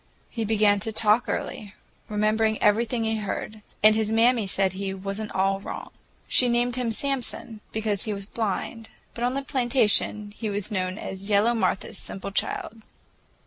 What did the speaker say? He began to talk early, remembered everything he heard, and his mammy said he "was n't all wrong." She named him Samson, because he was blind, but on the plantation he was known as "yellow Martha's simple child."